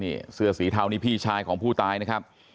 นี่เสื้อสีเทานี่พี่ชายของผู้ตายนะครับ